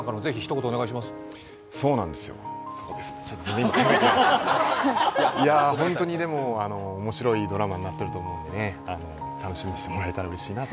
そうなんですよ、ホントに面白いドラマになっていると思うので楽しみにしてもらえたらうれしいなと。